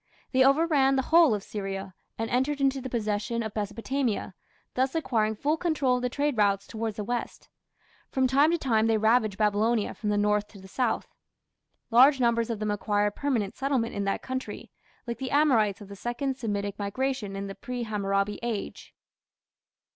They overran the whole of Syria, and entered into the possession of Mesopotamia, thus acquiring full control of the trade routes towards the west. From time to time they ravaged Babylonia from the north to the south. Large numbers of them acquired permanent settlement in that country, like the Amorites of the Second Semitic migration in the pre Hammurabi Age.